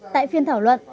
tại phiên thảo luận